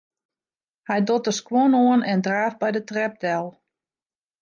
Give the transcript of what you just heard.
Hy docht de skuon oan en draaft by de trep del.